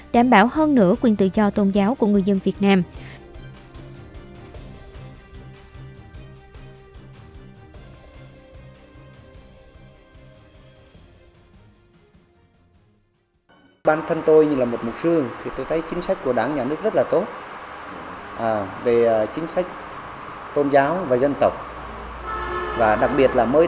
đảm bảo hơn nửa quyền tự do tôn giáo của người dân việt nam